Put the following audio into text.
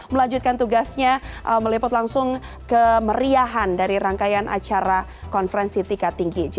melanjutkan tugasnya meliput langsung kemeriahan dari rangkaian acara konferensi tiga tinggi g dua puluh